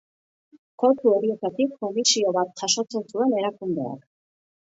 Kontu horietatik komisio bat jasotzen zuen erakundeak.